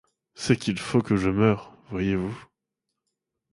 C’est qu’il faut que je meure, voyez-vous !